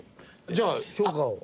じゃあ評価を。